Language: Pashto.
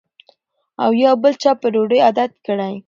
او یا بل چا په ډوډۍ عادت کړی